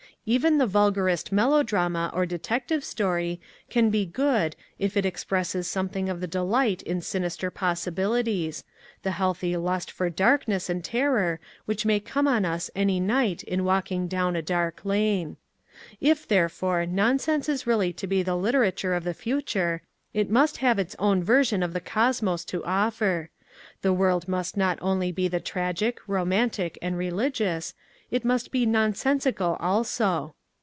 Even the vulgarest melodrama or detective story can be good if it ex presses something of the delight in sinister possibilities — the healthy lust for darkness and terror which may come on us any night in walking down a dark lane. If, therefore, nonsense is really to be the literature of the future, it must have its own version of the Cosmos to offer; the world must not only be the tragic, romantic, and religious, it must be nonsensical also.